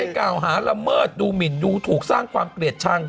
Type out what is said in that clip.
กล่าวหาละเมิดดูหมินดูถูกสร้างความเกลียดชัง